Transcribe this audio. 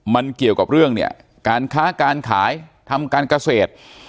มันเกี่ยวกับเรื่องเนี่ยการค้าการขายทำการเกษตร